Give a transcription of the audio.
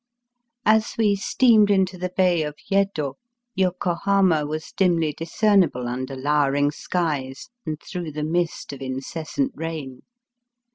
As we steamed into the bay of Yeddo, Yokohama was dimly discernible under lower ing skies and through the mist of incessant rain.